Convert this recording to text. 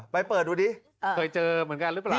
เปิดดูดิเคยเจอเหมือนกันหรือเปล่า